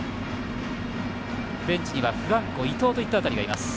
ベンチにはフランコ、伊藤といった辺りがいます。